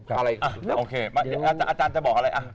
อาจารย์จะบอกอะไร